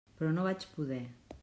Però no vaig poder.